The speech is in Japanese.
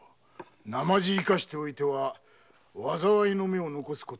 なまじ生かしておいては災いの芽を残すことになる。